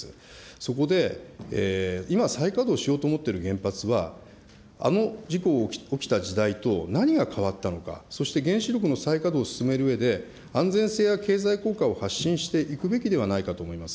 そこで今、再稼働しようと思っている原発はあの事故を起きた時代と何が変わったのか、そして原子力の再稼働を進めるうえで安全性や経済効果を発信していくべきではないかと思います。